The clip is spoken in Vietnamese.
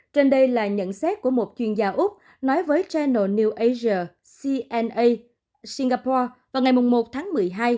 trên đây là nhận xét của một chuyên gia úc nói với genal new asia cna singapore vào ngày một tháng một mươi hai